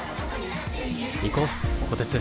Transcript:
行こうこてつ。